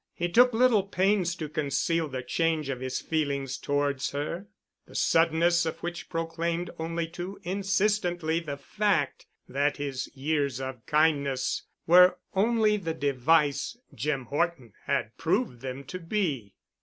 He took little pains to conceal the change of his feelings towards her, the suddenness of which proclaimed only too insistently the fact that his years of kindness were only the device Jim Horton had proved them to be.